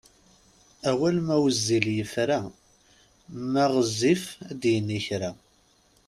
Awal, ma wezzil yefra, ma ɣezzif ad d-yini kra.